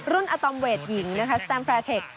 รุ่นอะตอมเวทหญิงสแตนฟราเทค